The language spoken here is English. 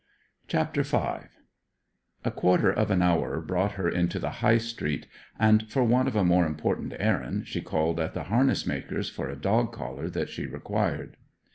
CHAPTER V A quarter of an hour brought her into the High Street, and for want of a more important errand she called at the harness maker's for a dog collar that she required.